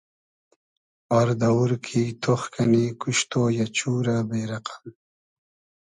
آر دئوور کی تۉخ کئنی کوشتۉ یۂ , چورۂ بې رئقئم